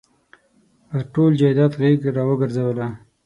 پر ټول جایداد غېږ را ورګرځوله.